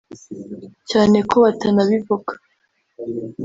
cyane ko batanabivuga